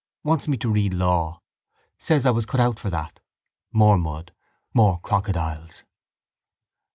Wants me to read law. Says I was cut out for that. More mud, more crocodiles.